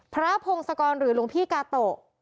พระพงศกรรณ์หรือหลวงพี่กาโตะ